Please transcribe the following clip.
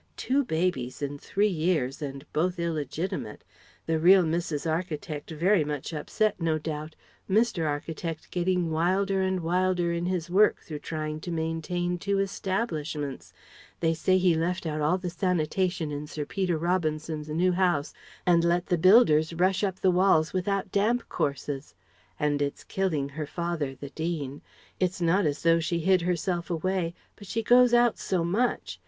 Two babies in three years, and both illegitimate the real Mrs. Architect very much upset, no doubt, Mr. Architect getting wilder and wilder in his work through trying to maintain two establishments they say he left out all the sanitation in Sir Peter Robinson's new house and let the builders rush up the walls without damp courses and it's killing her father, the Dean. It's not as though she hid herself away, but she goes out so much!